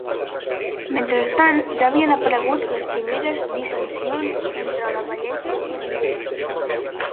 Mentrestant, ja havien aparegut les primeres dissensions entre Lavalleja i Rivera.